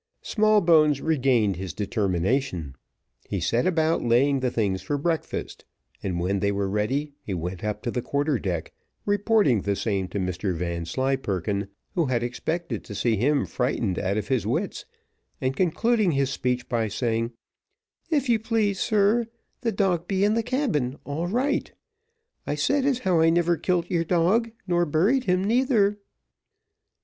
Smallbones regained his determination. He set about laying the things for breakfast, and when they were ready he went up to the quarter deck, reporting the same to Mr Vanslyperken, who had expected to see him frightened out of his wits, and concluding his speech by saying, "If you please, sir, the dog be in the cabin, all right; I said as how I never kilt your dog, nor buried him neither."